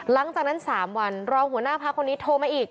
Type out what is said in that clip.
หลังจากนั้น๓วันรองหัวหน้าพักคนนี้โทรมาอีก